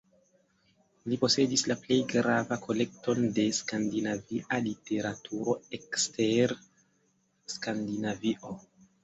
Li posedis la plej grava kolekton de skandinavia literaturo ekster Skandinavio.